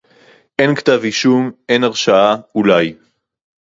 אין כתב אישום, אין הרשעה, אולי